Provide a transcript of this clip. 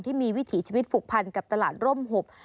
วิถีชีวิตผูกพันกับตลาดร่มหบ